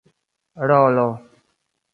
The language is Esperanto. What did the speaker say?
rolo